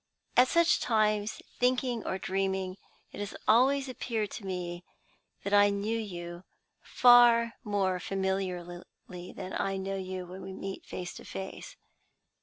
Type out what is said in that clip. At such times, thinking or dreaming, it has always appeared to me that I knew you far more familiarly than I know you when we meet face to face.